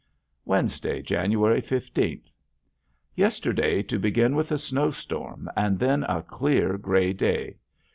Wednesday, January fifteenth. Yesterday to begin with a snowstorm and then a clear, gray day.